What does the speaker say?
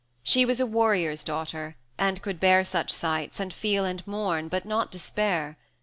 She was a warrior's daughter, and could bear Such sights, and feel, and mourn, but not despair.